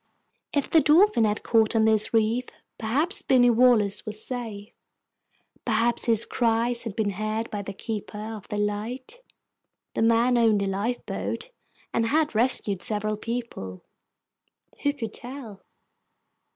If the Dolphin had caught on this reef, perhaps Binny Wallace was safe. Perhaps his cries had been heard by the keeper of the light. The man owned a lifeboat, and had rescued several people. Who could tell?